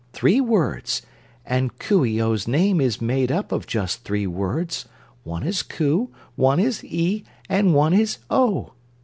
Three words. And Coo ee oh's name is made up of just three words. One is 'Coo,' and one is 'ee,' and one is 'oh.'"